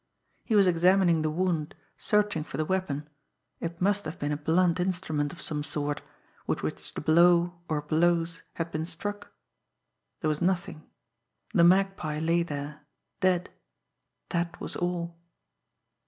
He was examining the wound, searching for the weapon it must have been a blunt instrument of some sort with which the blow, or blows, had been struck. There was nothing. The Magpie lay there dead. That was all.